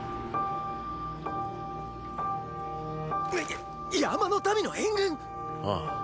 っ⁉山の民の援軍⁉ああ。